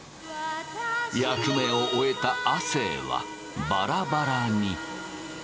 役目を終えた亜生はバラバラに。